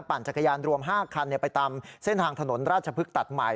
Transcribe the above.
จักรยานรวม๕คันไปตามเส้นทางถนนราชพฤกษ์ตัดใหม่